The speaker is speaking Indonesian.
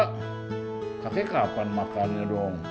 kakek kapan makan dong